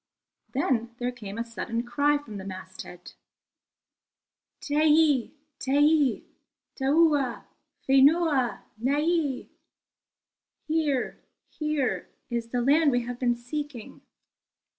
Then there came a sudden cry from the masthead: "Teie teie, taua fenua, nei!" "Here, here is the land we have been seeking."